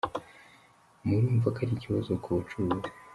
Murumva ko ari ikibazo ku bacuruzi”.